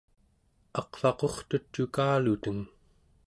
aqvaqurtut cukaluteng